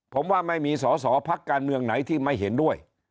ผมว่าไม่มีสอสอพักการเมืองไหนที่ไม่เห็นด้วย